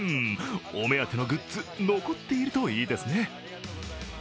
お目当てのグッズ、残っているといいですね。